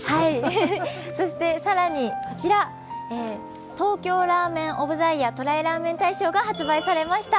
そして、更にこちら東京ラーメン・オブ・ザ・イヤー、「ＴＲＹラーメン大賞」が発売されました。